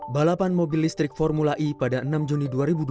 balapan mobil listrik formula e pada enam juni dua ribu dua puluh